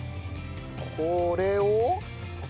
これを？